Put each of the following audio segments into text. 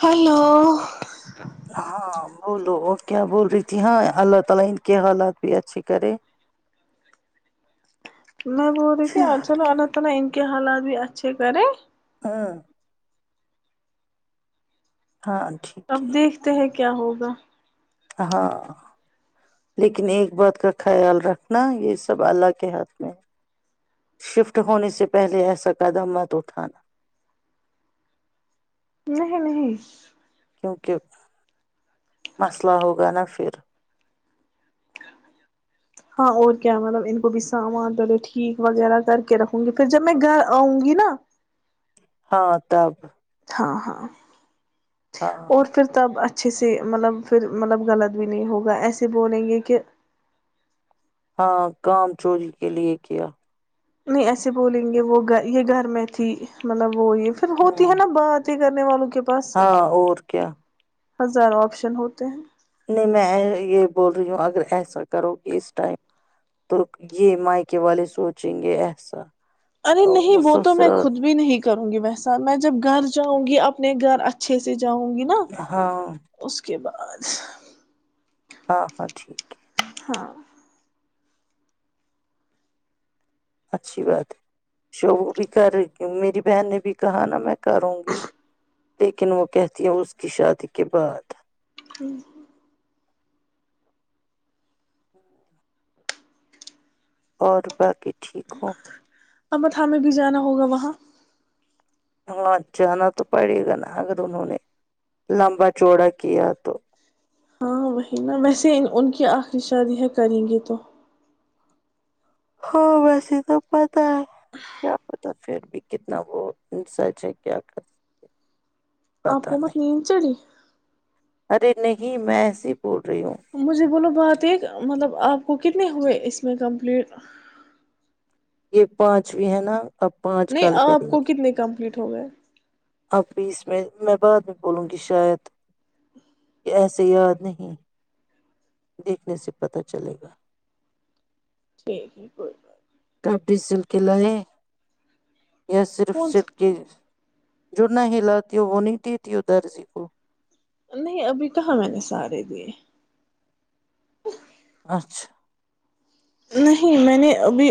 Hello ہاں او لو کیا بول رہی تھی اللہ تعالی ان کے حالات بھی اچھے کرے بولو میں بول رہی تھی چلو ال تو کیا حالات بھی اچھے کریں ہاں ہاں اب ٹھیک دیکھتے ہیں کیا ہوگا ہاں لیکن ایک بات کا خیال رکھنا یہ سب اللہ کے ہاتھ میں ہے شفٹ ہونے سے پہلے ایسا قدم مت اٹھانا نہیں نہیں کیونکہ مسئلہ ہوگا نا پھر ہاں اور کیا مطلب ان کو بھی سامان پلے ٹھیک وغیرہ کر کے رکھوں گی پھر جب میں گھر آؤں گی نا ہاں تب ہاں ہاں ہاں اور پھر تچھ اچھے سے مطلب پھر مطلب غلط بھی نہیں ہوگا ایسے بولیں گے کہ ہاں کام چوری کے لیے کیا نہیں ایسے بولیں گے وہ گ یہ گھر میں تھی مطلب وہ یہ پھر ہوتی ہے ہوں نا بات کرنے والوں کے پاس ہاں اور کیا ہزاروں آپشن ہوتے ہیں نہیں میں یہ بول رہی ہوں اگر ایسا کرو گ اس ٹائم تو یہ مائکے والے سوچیں گے ایسا ارے نہیں وہ تو میں سسرال خود بھی نہیں کروں گی ویسا میں جب گھر چاہوں گی اپنے گھر اچھے سے جاؤ گی نا ہاں اس کے بعد اچ ہاں ہاں ٹھیک ہے ہاں اچھی بات ہے شوبو بھی کر رہی میری بہن نے بھی کہا نا میں کروں گی لیکن وہ کہتی ہیں اس کی شادی کے بعد ہوں اور باقی ٹھیک ہوں امر تھا میں بھی جانا ہوگا وہاں ہاں جانا تو پڑے گا نا اگر انہوں نے لمبا چوڑا کیا تو ہاں وہی نا ویسے ان کی آخری شادی ہے کریں گے تو ہاں ویسے تو پتا ہے کیا پتا پھر بھی کتنا وہ سچ ہے کیا کرک آپ کوومت نیند چڑی ارے نہیں میں س مجھے بولو بہت ایک مطلب آپ کو کتنے ہوئے اس میں کمپلیٹ یہ پانچ بھی ہے نا اب پانچ نہیں کل آپ کریں گی کو کتنے کمپلیٹ ا ہوئے اب بھی اس میں میں بعد میں بولوں گی شاید یہ ایسے یاد نہیں دیکھنے سے پتہ چلے گا ٹھیک ہے کوئی بات نہیں ابی سل کے ل ہیں صرف کون سٹ سا؟ کی جو نہ ہلاتیوں وہ نہیں دیتیوں درزی کو نہیں ابھی کہاں میں نے سہارے دیے [unintelligible] پانچھ نہیں میں نے ابھی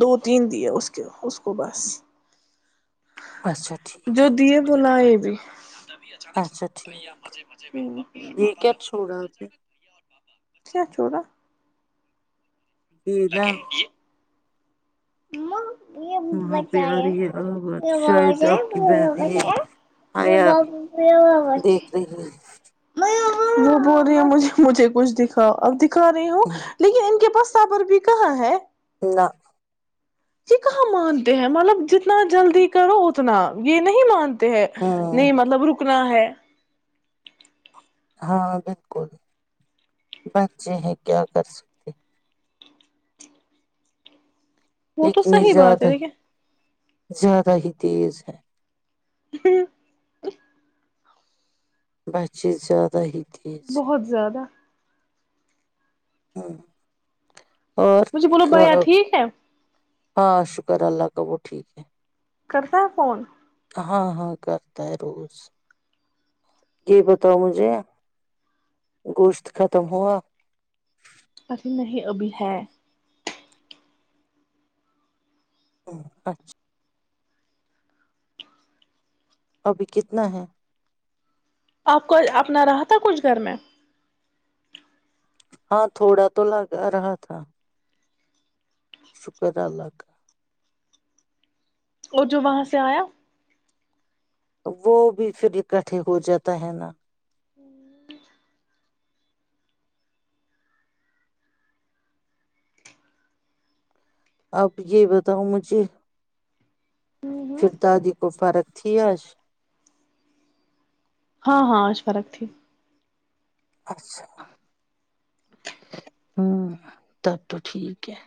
دو تین دے اس کے اس کو بس اچسا ٹھیک ل ہے بھی اچانک س اچھا بھیا ٹھیک مزے مزے میں ہ یہ پپا کیا کا چھوڑا آپ نے کیا چھوڑا یہ ال نا کے کہ [inaudible] مے وہاں پہ بچیا آ رہی ہے آواز مچ م شاید آپ کی بہن بچ یہ آیا دیکھ رہی ہے میرےےچ وہ بول رہی ہے مجھے مجھے کچھ دکھاؤ اب د کر رہی ہوں لیکن ان کے پاس سابر بھی کہاں ہے نہ یہ کہاں مانتے ہیں مطلب جتنا جلدی کرو اتنا یہ نہیں مانتے ہیں ہوں نہیں مطلب رکنا ہے [inaudible] ہاں بالکل بچے ہیں کیا کر سکتے وہ تو لیکن یہ صحیح بات زیادہ ہے دٹھیک ہے زیادہ ہی تیز ہے [inaudible] بس چیز زیادہ ہی تیز بہت زیادہ ہمم مجھے بولو بیا ٹھیک ہے ہاں شکر اللہ کا وہ ٹھیک ہے کرتا ہے فون ہاں ہاں کرتا ہے روز یہ بتاؤ مجھے گوشت ختم ہوا ارے نہیں ابھی ہے ہمم اچھا ابھی کتنا ہے آپ کو اپنا رہا تھا کچھ گھر میں ہاں تھوڑا تو لگا رہا تھا س کر ال الگہ اور جو وہاں سے آیا وہ بھی پھر اکٹھے ہو جاتا ہے نا [inaudible] آپ یہ بتاؤ مجھے پر دادی کو فرغ ا تھییاس ہاں ہاں آج فرق تھی اچھا ہ تب تو ٹھیک ہے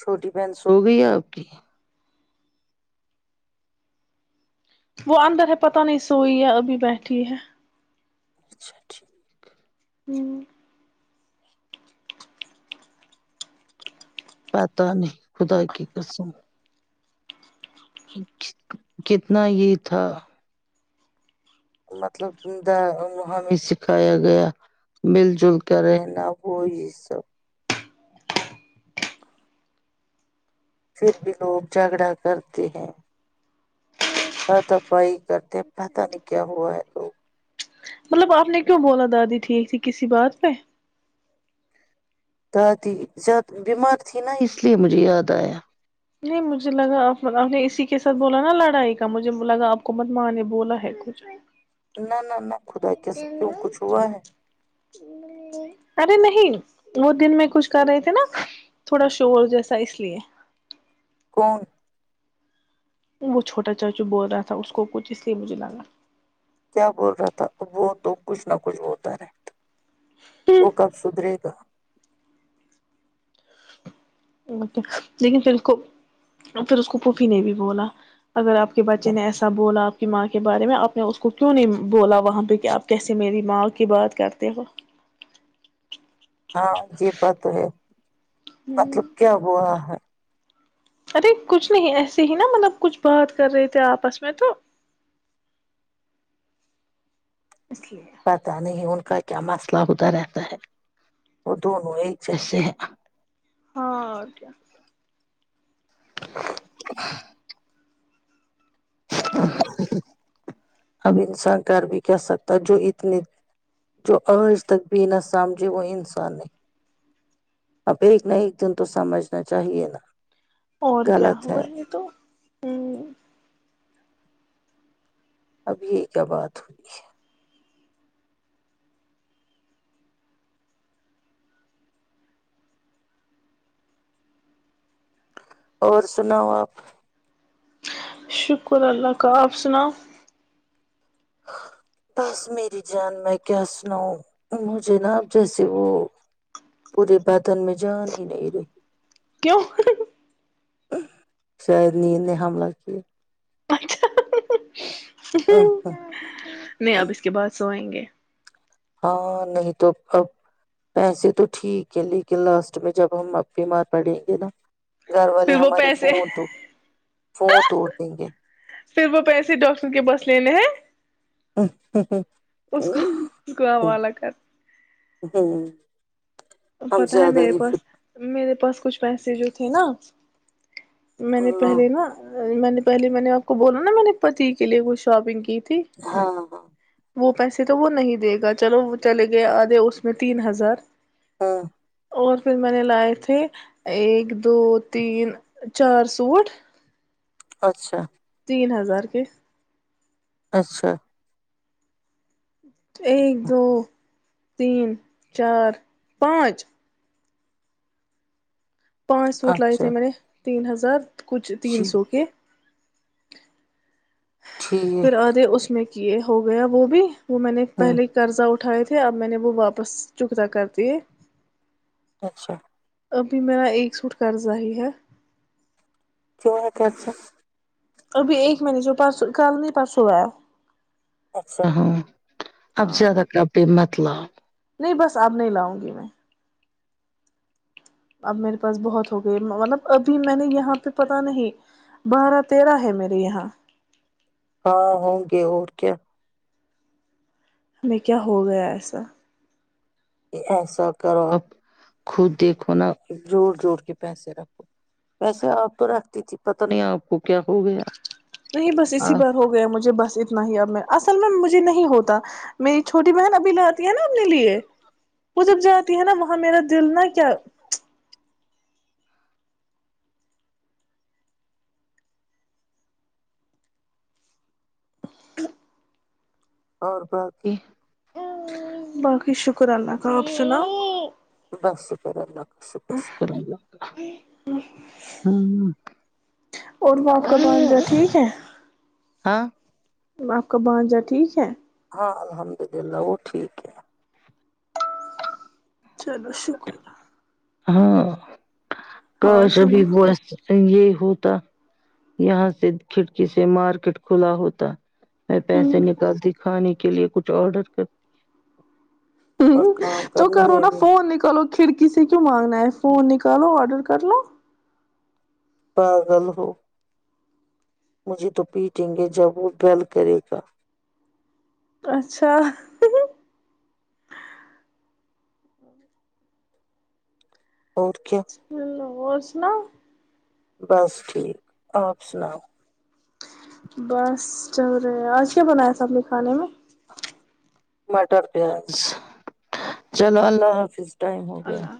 چھوٹی بہن سو گئی ہے آپ کی وہ اندر ہے پتہ نہیں سوئی ہے ابھی بیٹھی ہے اچھا ٹھیک ہوں پتاہ نہیں خدا کی کرسوں کتنا یہ تھا مطلب د ہمیں سکھایا گیا مل جل کر رہنا وہ یہ سب پھر بھی لوگ جھگڑا کرتے ہیں داتاپائی کرتے پتاہ نہیں کیا ہوا ہے تو مطلب آپ نے کیوں بولا دادی ٹھیک تھی کسی بات پہ تی بیمار تھی نا اس لیے مجھے یاد آیا نہیں مجھے لگا آپ نے اسی کے ساتھ بولا نا لڑائی کا مجھے لگا آپ کو مت ماں نے بولا ہے کچھ نہ نہ نہ خدا کیس کیوں کچھ ہوا ہے ارے نہیں وہ دن میں کچھ کر رہے تھے نا تھوڑا شور جیسا اس لیے کون وہ چھوٹا چاچو بول رہا تھا اس کو کچھ اس لیے مجھے لگا کیا بول رہا تھا وہ تو کچھ نہ کچھ بتا رہے وہ کب سدھرے گا اھا لیکن پھر اس کو پھر اس کو پھفی نے بھی بولا اگر آپ کے بچے کیا نے ایسا بولا ماں کے بارے میں آپ نے اس کو کیوں نہیں بولا وہاں پہ کہ آپ کیسے میری ماں کی بات کرتے ہو ہاں جی بات ہے مطلب کیا ہوا ہے ارے کچھ نہیں ایسے ہی نا مطلب کچھ بات کر رہے تھے آپس میں تو اس لیے پتا نہیں ہ کا کیا مسئلہ ہوتا رہتا ہے وہ دونوں ایک جیسے ہے ہاں اور کیا کیا [unintelligible] اب انسان کار بھی کہہ سکتا جو اتنی جو آج تک بھی نہ سمجھے وہ انسان ہے آب ایک نہ ایک دن تو سمجھنا چاہیے نا اور کیا غلط ہے وہی تو ہاں اب یہی کیا بات ہوئی ہے اور سناؤ آپ شکر اللہ کا آپ سناؤ بس میری جان میں کیا سناؤ مجھے نا اپ جیسے وہ پورے بتن میں جان ہی نہیں رہی کیوں شاید ند نے حملہ کیا پچچا نہیں اب اس کے بعد سو آئیں گے [unintelligible] ہاں نہیں تو اب پیسے تو ٹھیک ہے لیکن لاسٹ میں جب ہم اپ بی مار پڑیں گے نا گھر والے پھر وہ ہمارے پیسے فون تو وہ توڑ دیں گے پھر وہ پیسے ڈاکٹر کے بس لینے ہیں ہ ہ ہ اس کو اس کو آوال کر ہم پتا ہے زیادہ میرے ہی پاس میرے پاس کچھ پیسے جو تھے نا میں نے ہاں پہلے نا میں نے پہلے میں نے آپ کو بولا نا میں نے پتی کے لیے کچھ شاپنگ کی تھی ہاں ہاں وہ پیسے تو وہ نہیں دے گا چلو چل گیاد اس میں تین ہزار ہاں اور پھر میں نے لائے تھے ایک دو تین چار سوٹ اچھا تین ہزار کے اچھا ایک دو تین چار پانچ پانچ سوٹ لائے اچھا تھے میں نے تین ہزار کچھ تین جی سو کے پھر ٹھیک آدے اس میں یہ ہو گیا وہ بھی وہ میں نے ہاں پہلے قرضہ اٹھا اٹھائے تھے اب میں نے وہ واپس چکتا کر دیے اچھا ابھی میرا ایک سوٹ کررضہ ہی ہے چ اچھا ابھی ایک مہینے جو پس کل نہیں پرسوں ہوا ہے اچھا ہاں اب زیادہ کرے مت اخطلاف نہیں بس آپ نہیں لاؤں گی میں اب میرے پاس بہت ہو گئے مطلب ابھی میں نے یہاں پہ پتا نہیں بارہ تیرہ ہے میرے یہاں ہاں ہوں گے اور کیا ہمیں کیا ہو گیا ایسا کہ ایسا کرو آپ خود دیکھو نہ زور جوور کے پیسے رکھو پیسے آپ تو رکھتی تھی پتہ نہیں آپ کو کیا ہو گیا نہیں بس اسی بار ہو گیا مجھے بس اتنا ہی اب اصل میں مجھے نہیں ہوتا میری چھوٹی بہن ابھی لاتی ہے نا اپنے لیے وہ جب جاتی ہے نا وہاں میرا دل نا کیا اور باقی باقی شکر اللہ کا آپ سناؤ بس شکر اللہ شکر شکر اللہ ہ چھ ہاں آپ کا بانجا ٹھیک ہے ہاں الحمد للہ وہ ٹھیک ہے چلو شکہ ہاں کش سنا بگ ہ بس یہ ہوتا یہاں سے کھڑکی سے مارکیٹ کھلا ہوتا میں پیسے نکلتی کھانے کی کے لیے کچھ آڈر کر د ہ تو کرو نا فون نکالو کھڑکی سے کیوں مانگنا ہے فون نک چلو آڈر کر لو پاگل ہو مجھے تو پیٹیں گے جب وہ گل کرے گا اچھا اور کیا ہو اور سنا بس ٹھیک آپ سناؤ بس چ رہے آج کیا بنایا تھاب نے کھانے میں مٹر پیاز چلو اللہ حافظ ٹائم ہو گیا اللہ